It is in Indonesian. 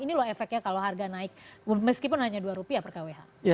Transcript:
ini loh efeknya kalau harga naik meskipun hanya rp dua per kwh